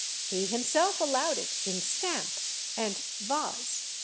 He himself allowed it in /stamp/ and /vase